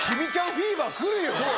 フィーバーくるよ。